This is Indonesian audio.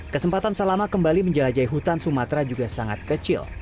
kesempatan salama kembali menjelajahi hutan sumatera juga sangat kecil